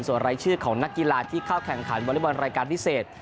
ส่วนรายชื่อของนักกีฬาที่เข้าแข่งขันวอเล็กบอลรายการพิเศษ